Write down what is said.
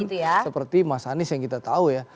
belum turun seperti mas anies yang kita tahu ya